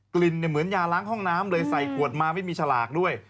กลิ่นเหมือนยาล้างห้องน้ำเลยใส่ขวดมาไม่มีฉลากด้วย